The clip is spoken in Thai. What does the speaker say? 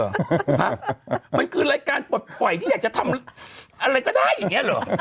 ฮะมันคือรายการปลดปล่อยที่อยากจะทำอะไรก็ได้อย่างนี้เหรอ